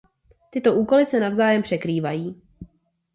Tyto úkoly se navzájem překrývají.